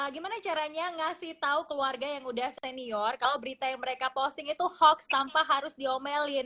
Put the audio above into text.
gimana caranya ngasih tahu keluarga yang udah senior kalau berita yang mereka posting itu hoax tanpa harus diomelin